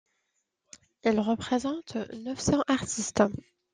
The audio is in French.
Il représente neuf cents artistes.